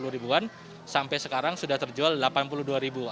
dua ratus dua puluh ribuan sampai sekarang sudah terjual delapan puluh dua ribuan